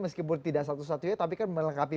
meskipun tidak satu satunya tapi kan melengkapi